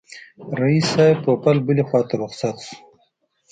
رییس صاحب پوپل بلي خواته رخصت شو.